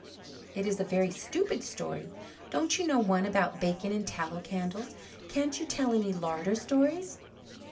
"It is a very stupid story. Don't you know one about bacon and tallow candles? Can't you tell any larder stories?"